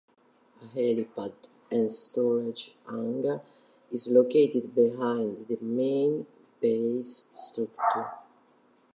A helipad and storage hangar is located behind the main base structure.